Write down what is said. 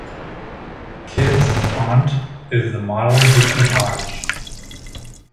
Kidd's aunt is the model Vicki Hodge.